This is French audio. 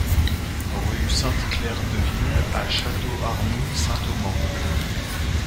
Rue Sainte-Claire Deville à Château-Arnoux-Saint-Auban